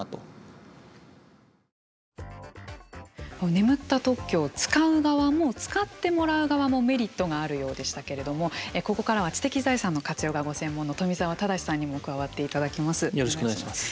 眠った特許を使う側も使ってもらう側もメリットがあるようでしたけれどもここからは知的財産の活用がご専門の富澤正さんにもよろしくお願いします。